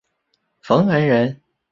冯恩人。